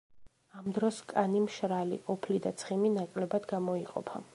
ამ დროს კანი მშრალი, ოფლი და ცხიმი ნაკლებად გამოიყოფა.